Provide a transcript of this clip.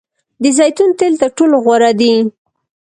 د زیتون تیل تر ټولو غوره دي.